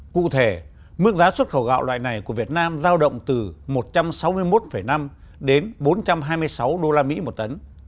cụ thể mức giá xuất khẩu gạo loại này của việt nam giao động từ một trăm sáu mươi một năm đến bốn trăm hai mươi sáu usd một tấn